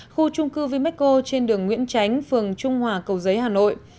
khu trung cư vimeco trên đường nguyễn chánh phường trung hòa cầu giấy hà nội